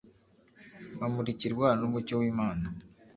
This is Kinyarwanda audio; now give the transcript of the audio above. Bamurikirwa n’umucyo w'Imana